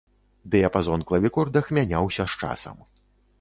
Дыяпазон клавікордах мяняўся з часам.